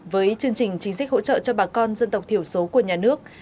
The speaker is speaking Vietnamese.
với chương trình chính sách hỗ trợ cho bà con dân tộc thiểu số của nhà nước